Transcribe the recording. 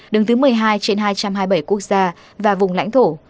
đứng thứ một mươi hai trên hai trăm hai mươi bảy quốc gia và vùng lãnh thổ